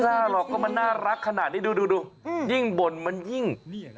ดูนานี่ไม่กล้าหรอกก็มันน่ารักขนาดนี้ดูจะยิ่งบ่นมันยิ่ง